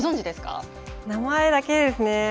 名前だけですね。